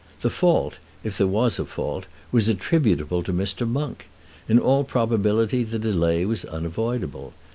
The fault, if there was a fault, was attributable to Mr. Monk. In all probability the delay was unavoidable.